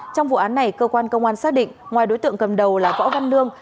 trong vụ án này cơ quan công an xác định ngoài đối tượng cầm đầu là võ văn lương